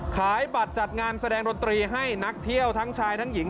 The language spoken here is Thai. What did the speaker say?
ขายบัตรจัดงานแสดงดนตรีให้นักเที่ยวทั้งชายทั้งหญิง